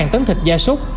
sáu tấn thịt da súc